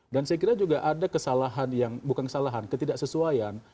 dan saya kira juga ada kesalahan yang bukan kesalahan ketidaksesuaian